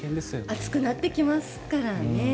暑くなってきますからね。